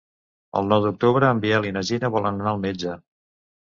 El nou d'octubre en Biel i na Gina volen anar al metge.